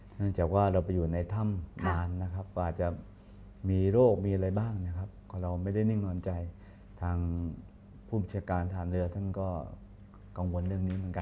เนื่องจากว่าเราไปอยู่ในถ้ำนานนะครับกว่าจะมีโรคมีอะไรบ้างนะครับก็เราไม่ได้นิ่งนอนใจทางผู้บัญชาการฐานเรือท่านก็กังวลเรื่องนี้เหมือนกัน